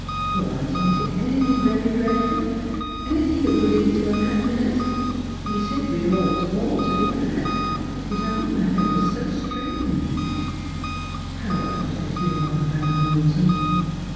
Oh, auntie, is it anything very dreadful, anything that will lead to unhappiness ? He said we ought all to be glad : but his own manner was so strange.' ' How anxious you are about Morton.'